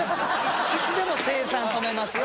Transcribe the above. いつでも生産止めますよ。